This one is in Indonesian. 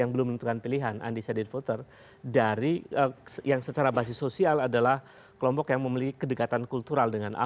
belum ada sampai sekarang